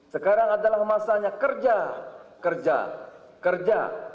sekarang adalah masanya kerja kerja kerja